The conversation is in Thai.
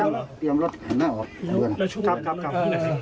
น้ำน้ำน้ำ